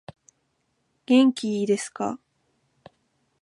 元気いですか